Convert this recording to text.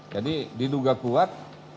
jadi diduga kuat